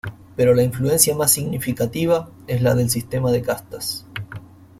Pero la influencia más significativa es la del sistema de castas.